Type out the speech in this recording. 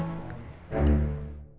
gak kecanduan hp